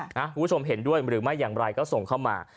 คุณผู้ชมเห็นด้วยหรือไม่อย่างไรก็ส่งเข้ามา